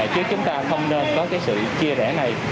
chứ chúng ta không nên có sự chia rẽ này